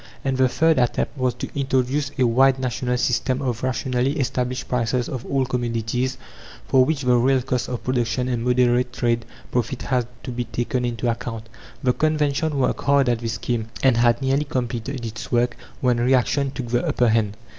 And the third attempt was to introduce a wide national system of rationally established prices of all commodities, for which the real cost of production and moderate trade profits had to be taken into account. The Convention worked hard at this scheme, and had nearly completed its work, when reaction took the upper hand.